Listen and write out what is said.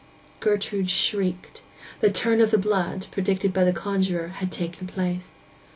Gertrude shrieked: 'the turn o' the blood,' predicted by the conjuror, had taken place.